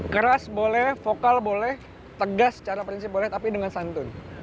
keras boleh vokal boleh tegas secara prinsip boleh tapi dengan santun